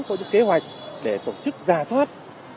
có những kế hoạch để tổ chức giả soát